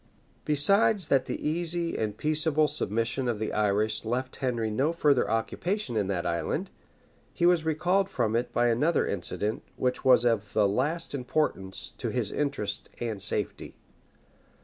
Besides that the easy and peaceable submission of the Irish left Henry no further occupation in that island, he was recalled from it by another incident, which was of the last importance to his interest and safety.